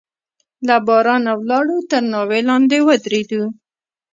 له بارانه لاړو، تر ناوې لاندې ودرېدو.